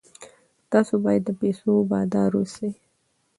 تاسو باید د پیسو بادار اوسئ.